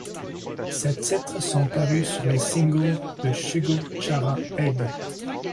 Ces titres sont parus sur les singles de Shugo Chara Egg!